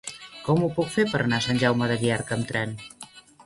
Com ho puc fer per anar a Sant Jaume de Llierca amb tren?